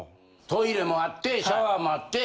トイレもあってシャワーもあって。